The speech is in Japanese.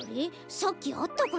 さっきあったかな？